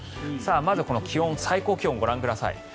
まず、この最高気温をご覧ください。